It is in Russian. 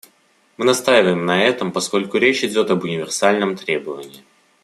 Мы настаиваем на этом, поскольку речь идет об универсальном требовании.